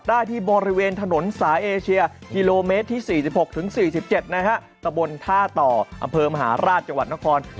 แต่สุดท้ายครับผู้ชม